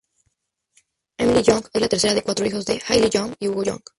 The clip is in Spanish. Emily Young es la tercera de cuatro hijos, de Helen Young y Hugo Young.